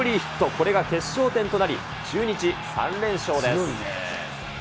これが決勝点となり、中日、３連勝です。